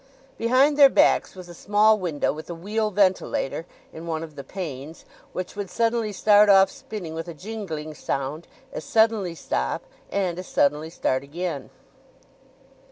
Behind their backs was a small window, with a wheel ventilator in one of the panes, which would suddenly start off spinning with a jingling sound, as suddenly stop, and as suddenly start again.